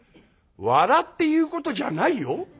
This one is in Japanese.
「笑って言うことじゃないよ。